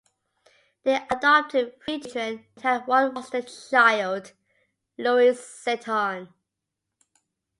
They adopted three children and had one foster child, Louis Seton.